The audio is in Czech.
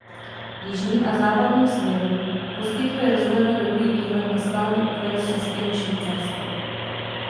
Jižním a západním směrem poskytuje rozhledna dobrý výhled na skalní útvary Saského Švýcarska.